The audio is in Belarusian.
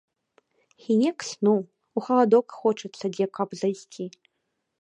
Хіне к сну, у халадок хочацца дзе каб зайсці.